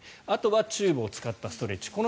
あとはチューブを使ったストレッチ。